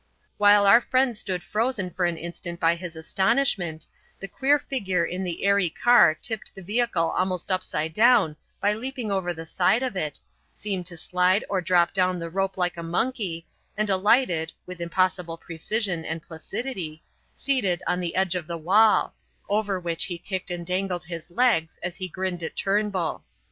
While our friend stood frozen for an instant by his astonishment, the queer figure in the airy car tipped the vehicle almost upside down by leaping over the side of it, seemed to slide or drop down the rope like a monkey, and alighted (with impossible precision and placidity) seated on the edge of the wall, over which he kicked and dangled his legs as he grinned at Turnbull.